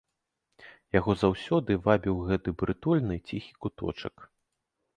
Яго заўсёды вабіў гэты прытульны ціхі куточак.